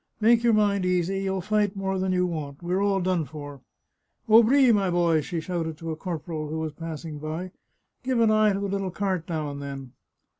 " Make your mind easy ; you'll fight more than you want. We're all done for !"" Aubry, my boy," she shouted to a corporal who was passing by, " give an eye to the little cart now and then."